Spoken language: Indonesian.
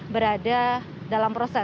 berada dalam proses